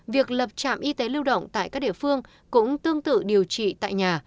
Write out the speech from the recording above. việc lập trạm y tế lưu động tại các địa phương cũng tương tự điều trị tại nhà